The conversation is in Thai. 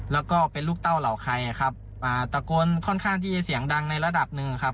แล้วก็เป็นลูกเต้าเหล่าใครครับอ่าตะโกนค่อนข้างที่จะเสียงดังในระดับหนึ่งครับ